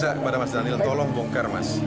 saya kepada mas daniel tolong bongkar mas